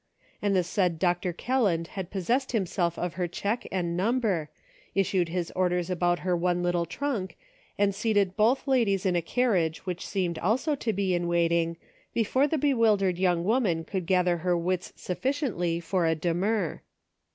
And the said Dr. Kelland 306 CIRCLES WITHIN CIRCLES. had possessed himself of her check and number, issued his orders about her one little trunk, and seated both ladies in a carriage which seemed also to be in waiting, before the bewildered young woman could gather her wits sufficiently for a demur.